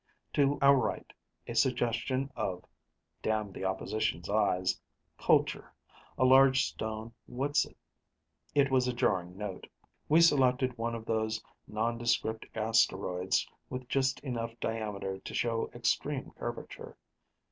To our right, a suggestion of damn the opposition's eyes culture: a large stone whatzit. It was a jarring note. We selected one of those nondescript asteroids with just enough diameter to show extreme curvature.